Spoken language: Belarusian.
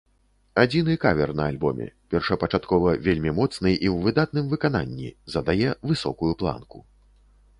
Адзіны кавер на альбоме, першапачаткова вельмі моцны і ў выдатным выкананні, задае высокую планку.